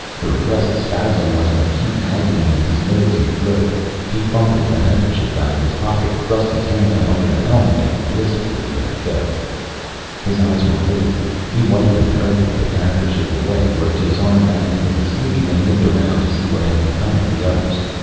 The repressed spasm was an acute agony in his nose and throat. He fumbled the handkerchief out of his pocket, thrust his hand up under the helmet and blissfully let go. His eyes were watering. He wiped them hurriedly, put the handkerchief away, worked his arm back into the sleeve, and looked around to see what had become of the others.